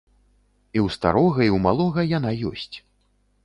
І ў старога і ў малога яна ёсць.